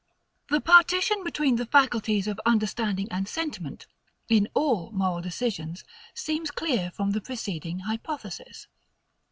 This partition between the faculties of understanding and sentiment, in all moral decisions, seems clear from the preceding hypothesis.